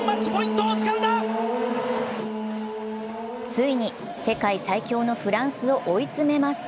ついに世界最強のフランスを追い詰めます。